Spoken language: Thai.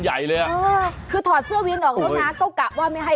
เอาพอแล้วพอแล้วพอแล้วพอแล้วพอแล้วพอแล้วพอแล้วพอแล้ว